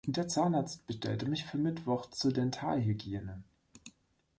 Der Zahnarzt bestellte mich für Mittwoch zur Dentalhygiene.